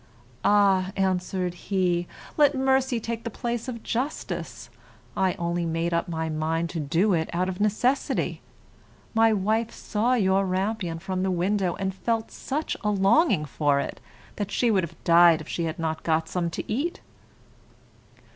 "Ah," answered he, "let mercy take the place of justice. I only made up my mind to do it out of necessity. My wife saw your rampion from the window, and felt such a longing for it that she would have died if she had not got some to eat."